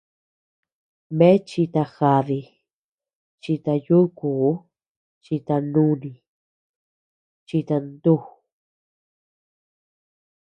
Bea chita jadi, chita yukuu, chita núni, chita ntú.